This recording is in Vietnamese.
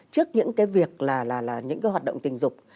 trước những cái việc là những cái hoạt động tình dục